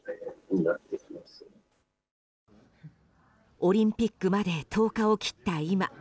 オリンピックまで１０日を切った今。